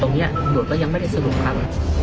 ตรงนี้อ่ะหูภาคก็ยังไม่ได้สรุปครับ